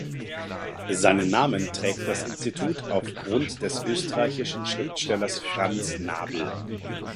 Seinen Namen trägt das Institut aufgrund des österreichischen Schriftstellers Franz Nabl.